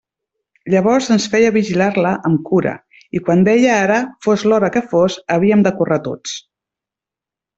Llavors ens feia vigilar-la amb cura, i quan deia ara, fos l'hora que fos, havíem de córrer tots.